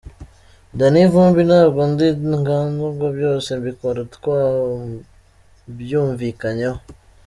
Danny Vumbi ntabwo ndi inganzwa, byose mbikora twabyumvikanyeho.